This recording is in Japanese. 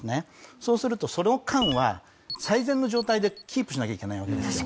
そうするとその間は最善の状態でキープしなきゃいけないわけですよ。